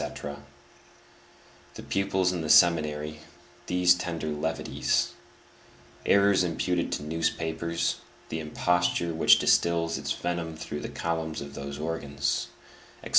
_; the pupils in the seminary, these tender levities; errors imputed to newspapers, the imposture which distills its venom through the columns of those organs; etc.